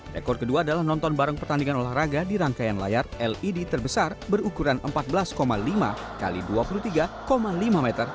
rekor kedua adalah nonton bareng pertandingan olahraga di rangkaian layar led terbesar berukuran empat belas lima x dua puluh tiga lima meter